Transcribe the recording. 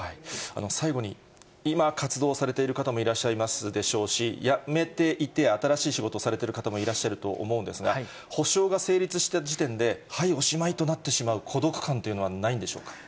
最後に、今活動されている方もいらっしゃいますでしょうし、やめていて、新しい仕事をされてる方もいらっしゃると思うんですが、補償が成立した時点で、はい、おしまいとなってしまう孤独感というのは、ないんでしょうか。